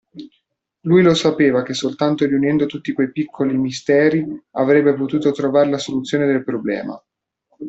Lui lo sapeva che soltanto riunendo tutti quei piccoli misteri, avrebbe potuto trovar la soluzione del problema.